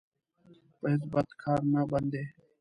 په هېڅ بد کار نه بند دی.